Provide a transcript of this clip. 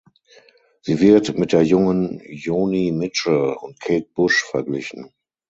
Sie wird mit der jungen Joni Mitchell und Kate Bush verglichen.